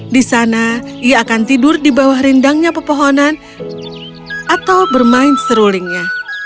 di sana ia akan tidur di bawah rindangnya pepohonan atau bermain serulingnya